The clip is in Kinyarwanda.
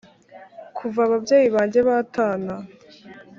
kuva ababyeyi banjye batana